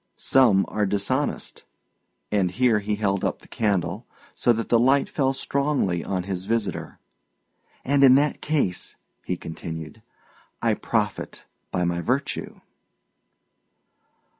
Some are dishonest," and here he held up the candle, so that the light fell strongly on his visitor, "and in that case," he continued, "I profit by my virtue."